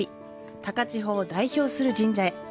高千穂を代表する神社へ。